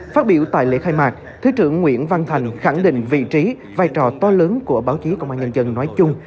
phát biểu tại lễ khai mạc thứ trưởng nguyễn văn thành khẳng định vị trí vai trò to lớn của báo chí công an nhân dân nói chung